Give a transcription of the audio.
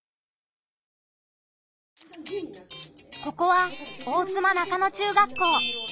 ここは大妻中野中学校。